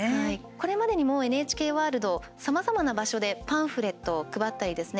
これまでにもＮＨＫワールドさまざまな場所でパンフレットを配ったりですね